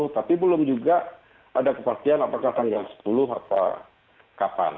tapi belum juga ada kepastian apakah tanggal sepuluh atau kapan